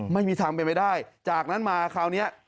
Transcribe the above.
ไม่มีทางเป็นไปได้จากนั้นมาคราวนี้